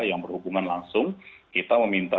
yang berhubungan langsung kita meminta